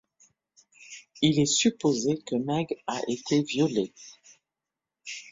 Il est supposé que Meg a été violée.